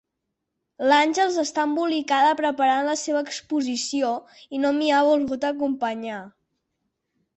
L'Àngels està embolicada preparant la seva exposició i no m'hi ha volgut acompanyar.